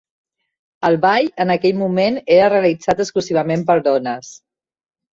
El ball, en aquell moment, era realitzat exclusivament per dones.